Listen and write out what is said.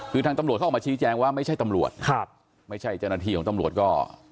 คือทางตำรวจเขาออกมาชี้แจงว่าไม่ใช่ตำรวจครับไม่ใช่เจ้าหน้าที่ของตำรวจก็